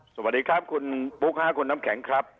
สวัสดีครับคุณบุ๊คค่ะคุณน้ำแข็งครับ